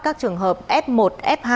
các trường hợp f một f hai